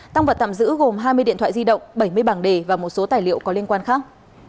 tăng vật tạm giữ gồm hai mươi điện thoại di động bảy mươi bảng đề và một số tài liệu có liên quan khác